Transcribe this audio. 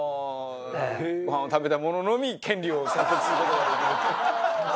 ご飯を食べた者のみ権利を獲得する事ができる。